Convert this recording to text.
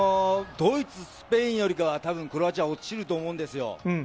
ドイツ、スペインよりかはクロアチア、落ちると思うんです。